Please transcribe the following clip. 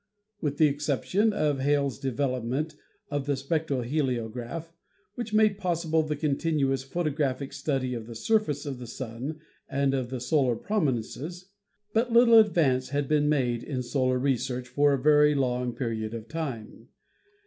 With the exception of Hale's development of the spectroheliograph, which made possible the continuous photographic study of the surface of the Sun and of the solar prominences, but little advance had been made in solar research for a very long period of time.